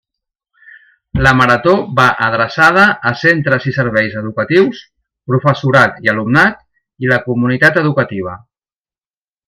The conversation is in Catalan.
La Marató va adreçada a centres i serveis educatius, professorat i alumnat i la comunitat educativa.